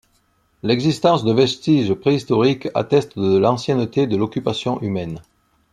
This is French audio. L'existence de vestiges préhistoriques atteste de l'ancienneté de l'occupation humaine.